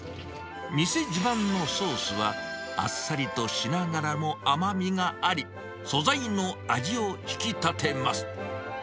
店自慢のソースは、あっさりとしながらも甘みがあり、素材の味を引き立てます。